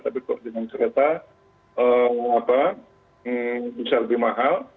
tapi kalau dengan kereta bisa lebih mahal